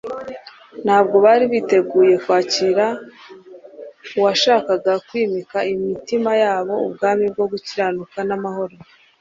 Ntabwo bari biteguye kwakira uwashakaga kwimika imitima yabo ubwami bwo gukiranuka n' amahoro.